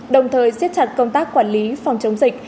đồng thời xiết chặt công tác quản lý phòng chống dịch